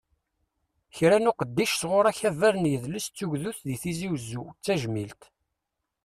Kra n uqeddic sɣur akabar n yidles d tugdut di tizi wezzu, d tajmilt.